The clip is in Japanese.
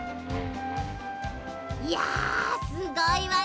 いやすごいわね。